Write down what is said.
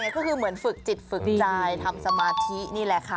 ก็คือเหมือนฝึกจิตฝึกใจทำสมาธินี่แหละค่ะ